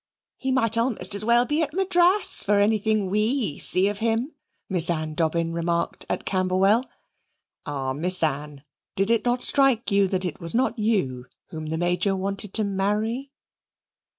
"He might almost as well be at Madras for anything WE see of him," Miss Ann Dobbin remarked at Camberwell. Ah! Miss Ann, did it not strike you that it was not YOU whom the Major wanted to marry?